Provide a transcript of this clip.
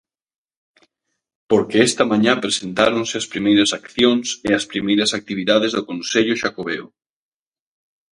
Porque esta mañá presentáronse as primeiras accións e as primeiras actividades do Consello Xacobeo.